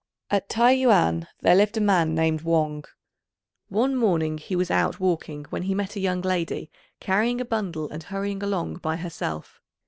At T'ai yüan there lived a man named Wang. One morning he was out walking when he met a young lady carrying a bundle and hurrying along by herself.